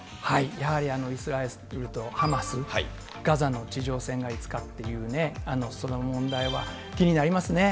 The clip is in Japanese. やはりイスラエルとハマス、ガザの地上戦がいつかっていうね、その問題は気になりますね。